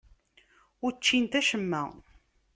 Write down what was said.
Ur ččint acemma.